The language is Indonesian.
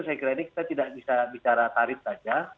saya kira ini kita tidak bisa bicara tarif saja